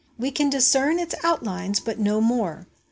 We can discern its outlines, but no more.